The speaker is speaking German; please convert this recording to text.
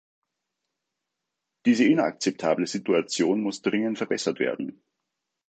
Diese inakzeptable Situation muss dringend verbessert werden.